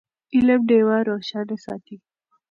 علم ډېوه روښانه ساتي.